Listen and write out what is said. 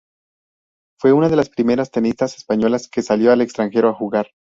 Fue una de las primeras tenistas españolas que salió al extranjero a jugar.